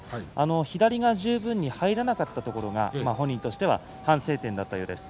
左が十分に入らなかったところが本人としては反省点だったようです。